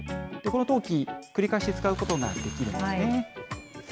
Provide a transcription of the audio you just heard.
この陶器、繰り返し使うことができるんですね。